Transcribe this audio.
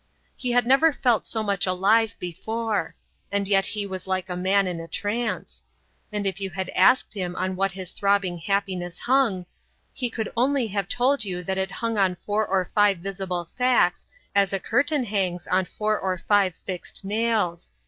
He had never felt so much alive before; and yet he was like a man in a trance. And if you had asked him on what his throbbing happiness hung, he could only have told you that it hung on four or five visible facts, as a curtain hangs on four of five fixed nails.